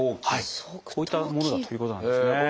こういったものだということなんですね。